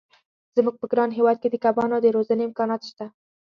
زموږ په ګران هېواد کې د کبانو د روزنې امکانات شته.